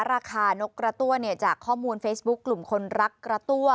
ราคานกกระตั้วเนี่ยจากข้อมูลเฟซบุ๊คกลุ่มคนรักกระตั้ว